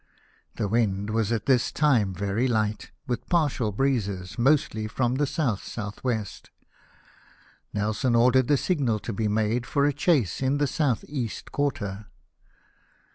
The wind was at this time very light, with partial breezes, mostly from the S.S.W. Nelson ordered the signal to be made for a chase in the south east quarter.